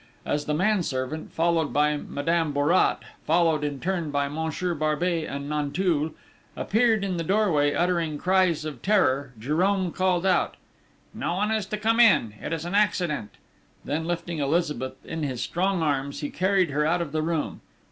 As the manservant, followed by Madame Bourrat, followed in turn by Monsieur Barbey and Nanteuil, appeared in the doorway uttering cries of terror, Jérôme called out: "No one is to come in!... It is an accident!" Then lifting Elizabeth in his strong arms, he carried her out of the room.